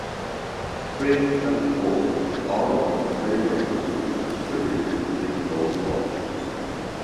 Spring and fall are the most favorable seasons to visit Steamboat Rock.